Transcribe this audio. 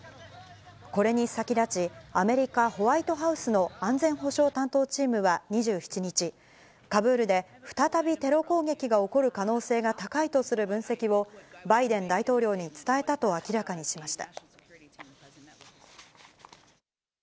これに先立ち、アメリカ・ホワイトハウスの安全保障担当チームは２７日、カブールで、再びテロ攻撃が起こる可能性が高いとする分析を、バイデン大統領に伝えたと明らかにしました。